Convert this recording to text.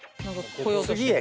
次へ。